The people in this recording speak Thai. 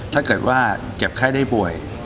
ถ้าเกิดว่าเจ็บไข้ได้ป่วย